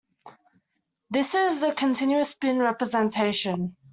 This is the "continuous spin" representation.